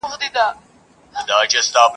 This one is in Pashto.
زه به مي څنګه کوچۍ ښکلي ته غزل ولیکم !.